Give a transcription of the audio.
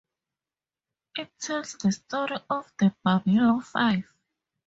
It tells the story of the Balibo Five.